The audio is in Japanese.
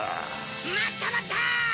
まったまった！